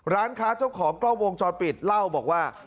ร้านค้าเจ้าของกล้องวงจอดปิดเล่าบอกว่า